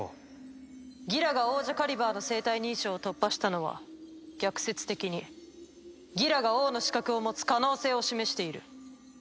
ギラがオージャカリバーの生体認証を突破したのは逆説的にギラが王の資格を持つ可能性を示している。